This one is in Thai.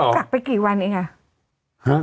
จากไปกี่วันเองอ่ะ